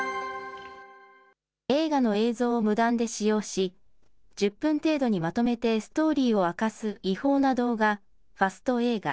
映画の映像を無断で使用し、１０分程度にまとめてストーリーを明かす違法な動画、ファスト映画。